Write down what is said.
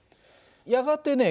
やがてね